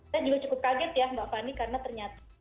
saya juga cukup kaget ya mbak fani karena ternyata